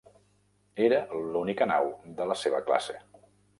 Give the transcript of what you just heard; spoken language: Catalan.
Era l'única nau de la seva classe.